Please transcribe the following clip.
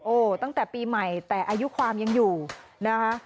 โอ้โหตั้งแต่ปีใหม่แต่อายุความยังอยู่นะคะ